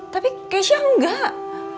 tapi keisha enggak